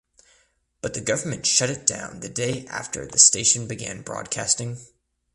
But the government shut it down the day after the station began broadcasting.